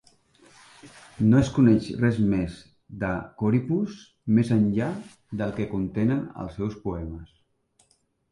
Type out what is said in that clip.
No es coneix res més de Corippus més enllà del que contenen els seus poemes.